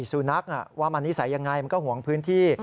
สุนัขว่ามันนิสัยยังไงมันก็ห่วงพื้นที่